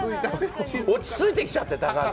落ち着いてきちゃって、貴明。